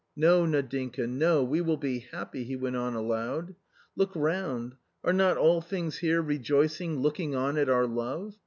" No, Nadinka, no, we will be happy I " he went on aloud. " Look round ; are not all things here rejoicing looking on at our love